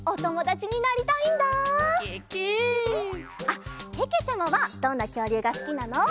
あっけけちゃまはどんなきょうりゅうがすきなの？